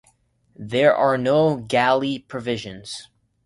There are no galley provisions.